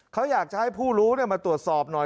เขาอยากจะให้ผู้รู้มาตรวจสอบหน่อย